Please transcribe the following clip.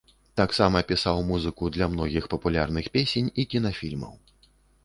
Таксама пісаў музыку для многіх папулярных песень і кінафільмаў.